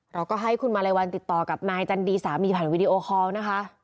เราก็ให้คุณมาลัยวันติดต่อกับนายจันดีสามีผ่านวิดีโอคอลนะคะ